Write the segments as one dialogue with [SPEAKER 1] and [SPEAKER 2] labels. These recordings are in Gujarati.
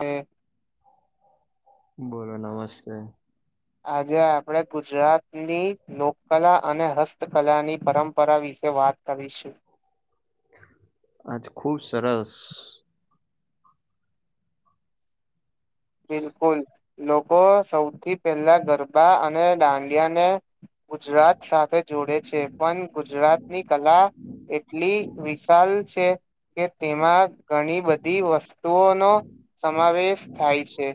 [SPEAKER 1] હ.
[SPEAKER 2] બોલો નમસ્તે.
[SPEAKER 1] આજે આપડે ગુજરાત ની લોકકલા અને હસ્તકલાની પરંપરા વિશે વાત કરીશું.
[SPEAKER 2] આજ ખૂબ સરસ.
[SPEAKER 1] બિલકુલ લોકો સૌથી પહેલા ગરબા અને દાંડિયાને ગુજરાત સાથે જોડે છે પણ ગુજરાતની કલા એટલી વિશાલ છે કે તેમાં ઘણી બધી વસ્તુઓનો સમાવેશ થાય છે.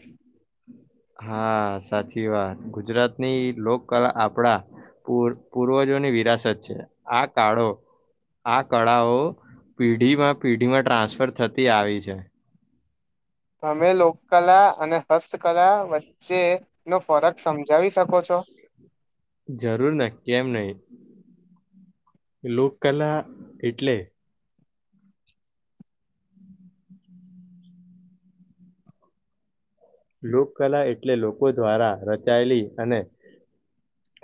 [SPEAKER 2] હા, સાચી વાત ગુજરાતની લોકકલા આપણા પૂર્વજોની વિરાશત છે આ કાળો આ કળાઓ પેઢીમાં પેઢીમાં ટ્રાન્સફર થતી આવી છે.
[SPEAKER 1] અમે લોકકલા અને હસ્ત કલા વચ્ચે નો ફરક સમજાવી શકો છો.
[SPEAKER 2] જરૂર ને કેમ નઈ લોકકલા એટલે લોકકલા એટલે લોકો દ્વારા રચાયેલી અને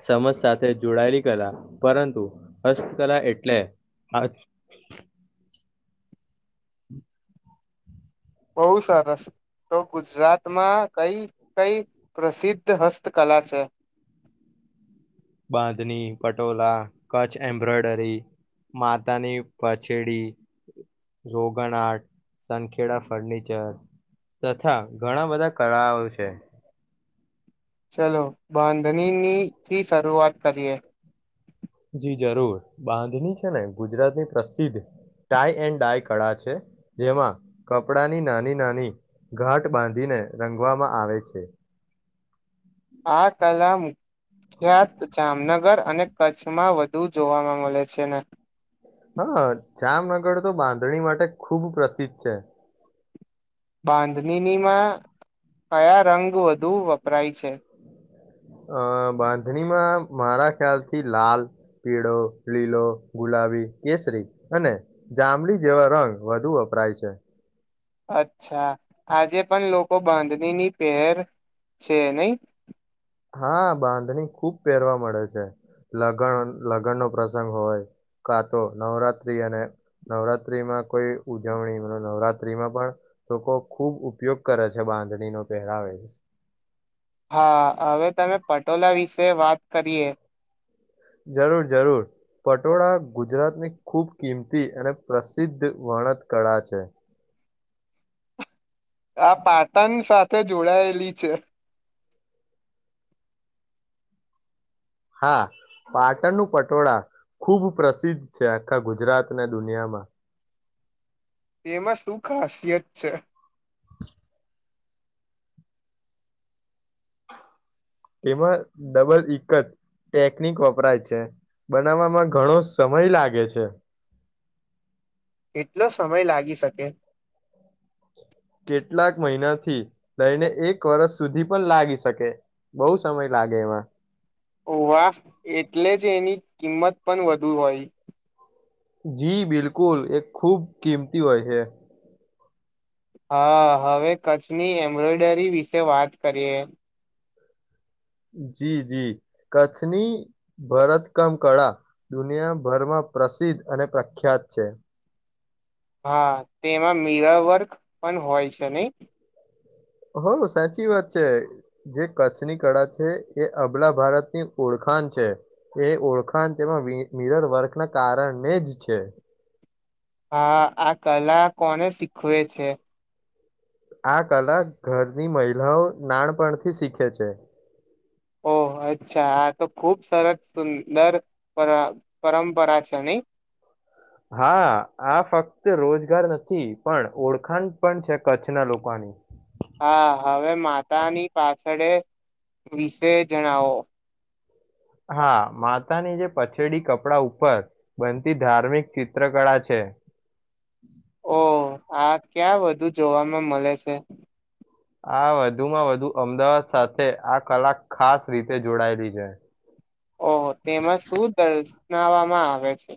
[SPEAKER 2] સમાજ સાથે જોડાયેલી કલા પરંતુ હસ્તકલા એટલે
[SPEAKER 1] બહુ સરસ તો ગુજરાતમાં કઈ કઈ પ્રસિદ્ધ હસ્તકલા છે.
[SPEAKER 2] બાંધની, પટોળા, કચ્છ એમ્બ્રોઈડરી, માતાની પછેડી રોગન આર્ટ, સંખેડા ફર્નિચર તથા ઘણાં બધાં કળાઓ છે.
[SPEAKER 1] ચલો બાંધણીની થી શરૂઆત કરીએ.
[SPEAKER 2] જી જરૂર, બાંધણી છેને ગુજરાતની પ્રસિદ્ધ ટાય એન્ડ ડાય કળા છે જેમાં કપડાની નાની નાની ઘાટ બાંધીને રંગવામાં આવે છે.
[SPEAKER 1] આ કલા મુખ્યાત જામનગર અને કચ્છમાં વધુ જોવામાં મલે છેને.
[SPEAKER 2] હા, જામનગર તો બાંધણી માટે ખુબ પ્રસિદ્ધ છે.
[SPEAKER 1] બાંધણીનીમાં કયા રંગ વધુ વપરાય છે?
[SPEAKER 2] અ બાંધણીમાં મારા ખ્યાલથી લાલ, પીળો, લીલો, ગુલાબી, કેસરી અને જાંબલી જેવા રંગ વધુ વપરાય છે.
[SPEAKER 1] અચ્છા, આજે પણ લોકો બાંધણીની પેહેર છે નઈ?
[SPEAKER 2] હા, બાંધણી ખૂબ પહેરવા મળે છે લગ્ન લગ્નનો પ્રસંગ હોય કાતો નવરાત્રિ અને નવરાત્રિમાં કોઈ ઉજવણી નવરાત્રિમાં પણ લોકો ખૂબ ઉપયોગ કરે છે બાંધણીનો પહેરાવે.
[SPEAKER 1] હા હવે તમે પટોલાા વિશે વાત કરીએ
[SPEAKER 2] જરૂર જરૂર પટોળા ગુજરાતની ખુબ કિંમતી અને પ્રસિદ્ધ વણતકળા છે.
[SPEAKER 1] આ પાટણ સાથે જોડાયેલી છે.
[SPEAKER 2] હા પાટણનું પટોળા ખુબ પ્રસિદ્ધ છે આખા ગુજરાતના દુનિયામાં.
[SPEAKER 1] તેમાં શું ખાસિયત છે?
[SPEAKER 2] એમાં ડબલ એક જ ટેકનિક વપરાય છે બનાવવામાં ઘણો સમય લાગે છે.
[SPEAKER 1] કેટલો સમય લાગી શકે?
[SPEAKER 2] કેટલાક મહિના થી લઈને એક વરષ સુધી પણ લાગી શકે બહુ સમય લાગે એમાં.
[SPEAKER 1] ઓવા! એ એટલે જ એની કિંમત પણ વધુ હોય.
[SPEAKER 2] જી બિલકુલ એ ખુબ કિંમતી હોય છે.
[SPEAKER 1] હા હવે કચ્છની એમ્બ્રોઈડરી વિશે વાત કરીએ.
[SPEAKER 2] જી જી કચ્છની ભરતકમ કળા દુનિયાભરમાં પ્રસિદ્ધ અને પ્રખ્યાત છે.
[SPEAKER 1] હા તેમાં મીરાવર્ક પણ હોય છે નહી?
[SPEAKER 2] હો સાચી વાત છે જે કચ્છની કળા છે એ અબલા ભારતની ઓળખાણ છે એ ઓળખાણ તેમાં મીરર વર્કના કારણે જ છે.
[SPEAKER 1] હા આ કલા કોને શીખવે છે?
[SPEAKER 2] આ કલા ઘરની મહિલાઓ નાનપણથી શીખે છે.
[SPEAKER 1] ઓહ! અચ્છા આા તો ખુબ સરસ સુંદર પર પરંપરા છે નહી?
[SPEAKER 2] હા આ ફક્ત રોજગાર નથી પણ ઓળખાણ પણ છે કચ્છના લોકોની.
[SPEAKER 1] હા હવે માતાની પાછળે વિશે જણાવો?
[SPEAKER 2] હા માતાની જે પછેડી કપડા ઉપર બનતી ધાર્મિક ચિત્રકળા છે.
[SPEAKER 1] ઓ આ ક્યાં વધુ જોવાવામાં મળે છે.
[SPEAKER 2] આ વધુમાં વધુ અમદાવાદ સાથે આ કલા ખાસ રીતે જોડાયેલી છે.
[SPEAKER 1] ઓહ હ છે.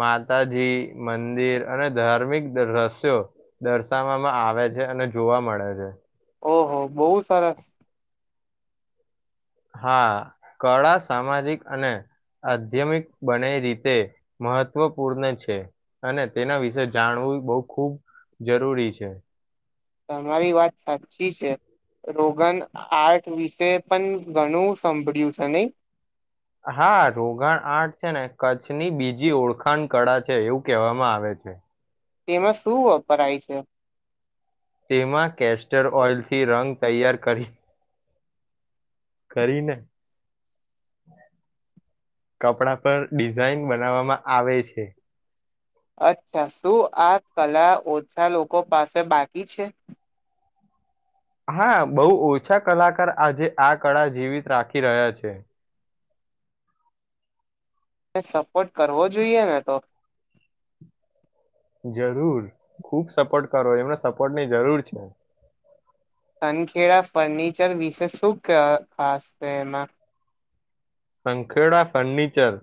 [SPEAKER 2] માતાજી મંદિર અને ધાર્મિક દ્રશ્યો દર્શાવવામાં આવે છે અને જોવા મળે છે.
[SPEAKER 1] ઓહો! બહુ સરસ
[SPEAKER 2] હા કળા સામાજિક અને આધ્યમિક બને રીતે મહત્વપૂર્ણ છે અને તેના વિશે જાણવું બહ ખુબ જરૂરી છે.
[SPEAKER 1] તમારી વાત સાચી છે રોગન આર્ઠ વિશે પણ ઘણું સાંભળ્યું છે નહી?
[SPEAKER 2] હા રોગણ આઠ છે ને કચ્છ કચ્છની બીજી ઓળખાણ કળા છે એવું કહેવામાં આવે છે.
[SPEAKER 1] તેમાં શું વપરાય છે.
[SPEAKER 2] તેમાં કેસ્ટર ઓઇલથી રંગ તૈયાર કરી કરીને કપડા પર ડિઝાઇન બનાવવામાં આવે છે.
[SPEAKER 1] અચ્છા શું આ કલા ઓછા લોકો પાસે બાકી છે.
[SPEAKER 2] હા બહુ ઓછા કલાકાર આજે આ કળા જીવિત રાખી રહ્યા છે.
[SPEAKER 1] એ સપોર્ટ કરવો જોઈએ ને તો
[SPEAKER 2] જરૂર ખુબ સપોર્ટ કરો એમને સપોર્ટ ની જરૂર છે.
[SPEAKER 1] તનખેડા ફર્નિચર વિશે શું ક ખાસ છે એમાં.
[SPEAKER 2] સંખેડા ફર્નિચર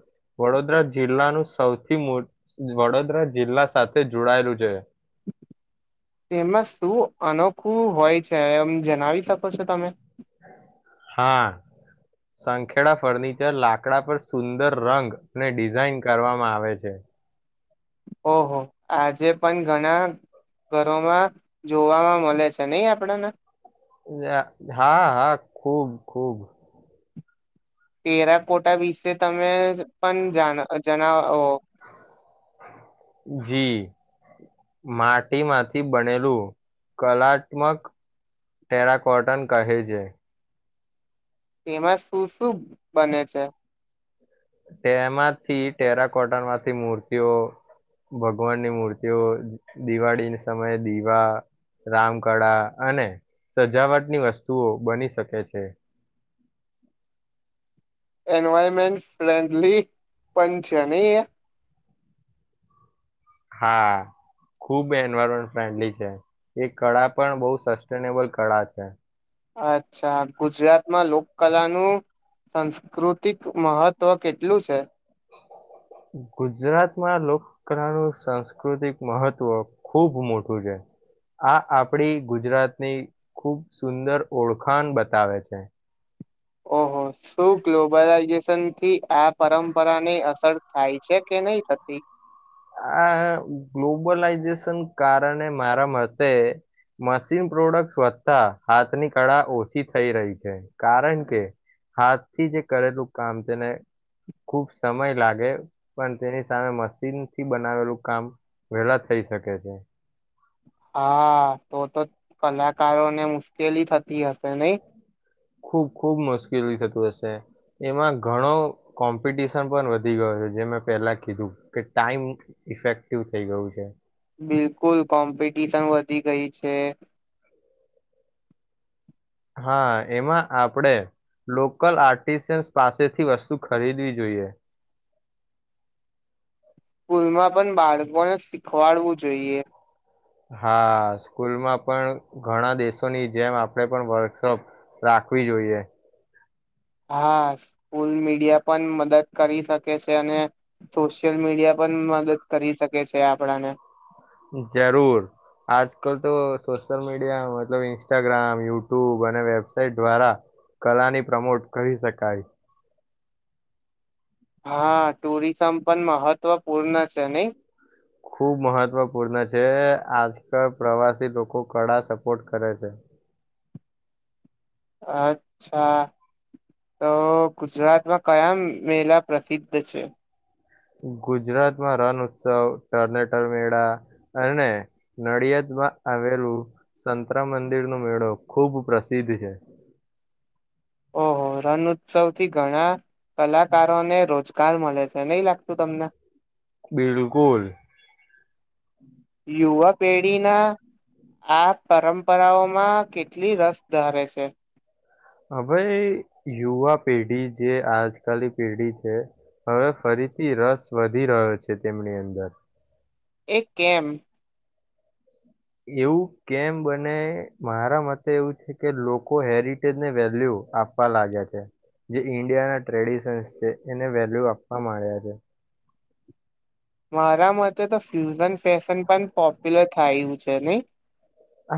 [SPEAKER 2] વડોદરા જિલ્લાનું સૌથી વડોદરા જિલ્લા સાથે જોડાયેલું છે.
[SPEAKER 1] એમાં શું અનોખું હોય છે એમ જણાવી શકો છો તમે.
[SPEAKER 2] હા સંખેડા ફર્નિચર લાકડા પર સુંદર રંગ અને ડિઝાઇન કરવામાં આવે છે.
[SPEAKER 1] ઓહો આજે પણ ઘણા ઘરોમાં જોવાવામાં મળે છે નહી આપણાને
[SPEAKER 2] હા હા ખુબ ખુબ.
[SPEAKER 1] તેરા કોટા વિશે તમે પણ જણાવો.
[SPEAKER 2] જી માટીમાંથી બનેલું કલાત્મક ટેરાકોટન કહે છે.
[SPEAKER 1] એમાં શું શું બને છે?
[SPEAKER 2] તેમાંથી ટેરાકોટનમાંથી મૂર્તિઓ ભગવાનની મૂર્તિઓ દિવાળીની સમયે દીવા રામકળા અને સજાવટની વસ્તુઓ બની શકે છે.
[SPEAKER 1] એન્વાયરમેન્ટ ફ્રેન્ડલી પણ છે નહી એ.
[SPEAKER 2] હા ખુબ એન્વાયરમેન્ટ ફ્રેન્ડલી છે એ કળા પણ બહુ સસ્ટેનેબલ કળા છે.
[SPEAKER 1] અચ્છા ગુજરાતમાં લોક કલાનું સાસ્કૃતિક મહત્વ કેટલું છે.
[SPEAKER 2] ગુજરાતમાં લોક કલાનું સાંસ્કૃતિક મહત્વ ખૂબ મોટું છે આ આપડી ગુજરાતની ખૂબ સુંદર ઓળખાણ બતાવે છે.
[SPEAKER 1] ઓહો શું ગ્લોબલાઈઝેશનથી આ પરંપરાની અસર થાય છે કે નહી થતી.
[SPEAKER 2] આ ગ્લોબલાઈઝેશન કારણે મારા મતે મશીન પ્રોડક્ટ વધતા હાથની કળા ઓછી થઈ રહી છે કારણ કે હાથથી જે કરેલું કામ તેને ખુબ સમય લાગે પણ તેની સામે મશીન થી બનાવેલું કામ વહેલા થઈ શકે છે.
[SPEAKER 1] હા તો તો કલાકારોને મુશ્કેલી થતી હશે નહી.
[SPEAKER 2] ખુબ ખુબ મુશ્કેલી થતું હશે એમાં ઘણો કોમ્પિટિશન પણ વધી ગયો છે જે મેં પહેલા કીધું કે ટાઈમ ઇફેક્ટિવ થઈ ગયું છે.
[SPEAKER 1] બિલકુલ કોમ્પિટિશન વધી ગઈ છે.
[SPEAKER 2] હા એમાં આપણેે લોકલ આર્ટિશિન્સ પાસેથી વસ્તુ ખરીદવી જોઈએ.
[SPEAKER 1] સ્કૂલમાં પણ બાળકોને શીખવાડવું જોઈએ.
[SPEAKER 2] હા સ્કૂલમાં પણ ઘણા દેશોની જેમ આપણેે પણ વર્કશોપ રાખવી જોઈએ.
[SPEAKER 1] હા સ્કૂલ મીડિયા પણ મદદ કરી શકે છે અને સોશિયલ મીડિયા પણ મદદ કરી શકે છે આપડાને.
[SPEAKER 2] જરૂર આજ કલ તો સોશિયલ મીડિયા મતલબ ઇન્સ્ટાગ્રામ યુટ્યુબ અને વેબસાાઈટ દ્વારા કલાની પ્રમોટ કરી શકાય.
[SPEAKER 1] હા ટુરિઝમ પણ મહત્વપૂર્ણ છે નહી.
[SPEAKER 2] ખૂબ મહત્વપૂર્ણ છે આજકાલ પ્રવાસી લોકો કળા સપોર્ટ કરે છે.
[SPEAKER 1] અચ્છા તો ગુજરાતમાં કયા મેલા પ્રસિદ્ધ છે.
[SPEAKER 2] ગુજરાતમાં રણ ઉત્સવ ટર્નેટર મેળા અને નડિયાદમાં આવેલું સંતરા મંદિરનોો મેળો ખૂબ પ્રસિદ્ધ છે.
[SPEAKER 1] ઓહો રણ ઉત્સવથી ઘણા કલાકારોને રોજ કાલ મળે છે નહી લાગતું તમને.
[SPEAKER 2] બિલકુલ.
[SPEAKER 1] યુવા પેઢીના આ પરંપરાઓમાં કેટલી રસ ધારે છે.
[SPEAKER 2] હ ભાઈ યુવા પેઢી જે આજકાની પેઢી છે હવે ફરીથી રસ વધી રહ્યો છે તેમની અંદર.
[SPEAKER 1] એ કેમ?
[SPEAKER 2] એવું કેમ બને મારા મતે એવું છે કે લોકો હેરિટેજને વેલ્યુ આપવા લાગ્યા છે જે ઈન્ડિયાના ટ્રેડિશન્સ છે એને વેલ્યુ આપવા માંડ્યા છે.
[SPEAKER 1] મારા મતે તો ફ્યુઝન ફેશન પણ પોપ્યુલર થાયું છે નહી.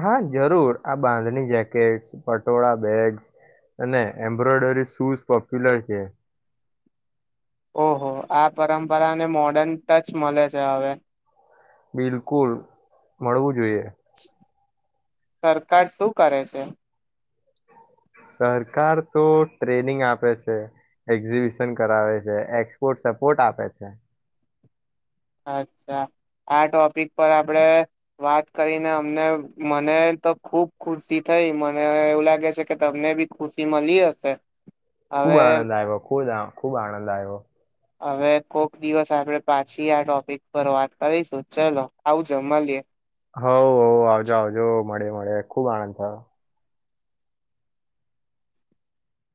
[SPEAKER 2] હા જરૂર આ બાંધણી જેકેટ્સ પટોળા બેગ્સ અને એમ્બ્રોઈડરી શૂઝ પોપ્યુલર છે.
[SPEAKER 1] ઓહો આ પરંપરાને મોર્ડર્ન ટચ મળે છે હવે.
[SPEAKER 2] બિલકુલ મળવું જોઈએ.
[SPEAKER 1] સરકાર શું કરે છે?
[SPEAKER 2] સરકાર તો ટ્રેનિંગ આપે છે, એક્ઝિબિશન કરાવે છે, એક્સપોર્ટ સપોર્ટ આપે છે.
[SPEAKER 1] અચ્છા, આ ટોપિક પર આપણેે વાત કરીને અમને મને તો ખુબ ખુશી થઈ. મને એવું લાગે છે કે તમને બી ખુશી મલી હશે.
[SPEAKER 2] ખૂબ
[SPEAKER 1] હવે
[SPEAKER 2] આનંદ આયવો, ખૂ જ ખૂબ આનંદ આયવો.
[SPEAKER 1] હવે કોક દિવસ આપડે પાછી આ ટોપિક પર વાત કરીશું. ચલો, આવજો મલીએ.
[SPEAKER 2] હૌ, હૌ, આવજો આવજો. મળીએ, મળીએ. ખૂબ આનંદ થયો.